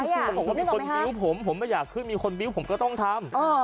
เขาบอกว่ามีคนบิ้วผมผมไม่อยากขึ้นมีคนบิ้วผมก็ต้องทำ